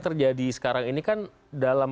terjadi sekarang ini kan dalam